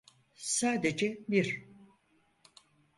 Sadece bir…